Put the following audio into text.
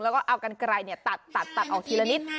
แล้วก็เอากันไกลตัดตัดออกทีละนิด